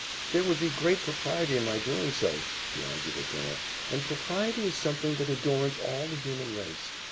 "There would be great propriety in my doing so," she argued at dinner, "and propriety is something that adorns all the human race.